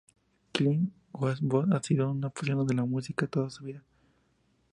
Clint Eastwood ha sido un apasionado de la música toda su vida.